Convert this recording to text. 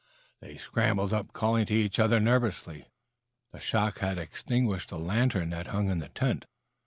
They scrambled up calling to each other nervously. The shock had extinguished the lantern that hung in the tent.